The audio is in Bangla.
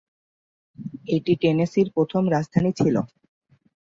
এটি টেনেসির প্রথম রাজধানী ছিল।